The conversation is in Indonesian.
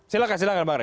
silahkan silahkan bang re